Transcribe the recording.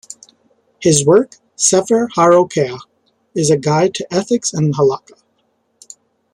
His work, "Sefer HaRokeiach", is a guide to ethics and halacha.